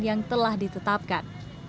yang telah ditetapkan